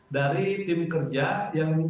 dari tim kerja yang